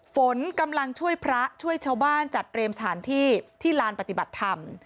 ฝนกำลังช่วยพระช่วยชาวบ้านจัดเตรียมสถานที่ที่ลานปฏิบัติธรรม